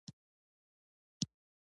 ډرامه باید واقعیتونه بیان کړي